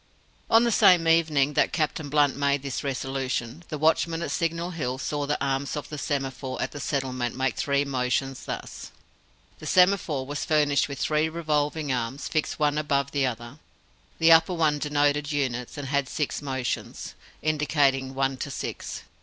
On the same evening that Captain Blunt made this resolution, the watchman at Signal Hill saw the arms of the semaphore at the settlement make three motions, thus: The semaphore was furnished with three revolving arms, fixed one above the other. The upper one denoted units, and had six motions, indicating ONE to SIX.